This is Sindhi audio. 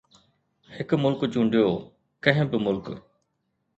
هڪ ملڪ چونڊيو، ڪنهن به ملڪ